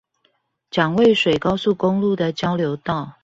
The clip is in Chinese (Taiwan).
蔣渭水高速公路的交流道